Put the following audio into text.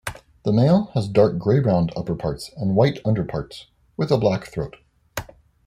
The male has dark grey-brown upperparts and white underparts, with a black throat.